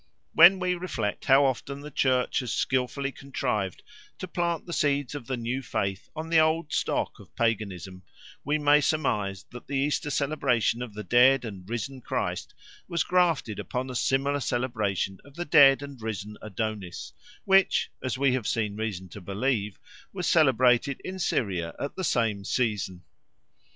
When we reflect how often the Church has skilfully contrived to plant the seeds of the new faith on the old stock of paganism, we may surmise that the Easter celebration of the dead and risen Christ was grafted upon a similar celebration of the dead and risen Adonis, which, as we have seen reason to believe, was celebrated in Syria at the same season.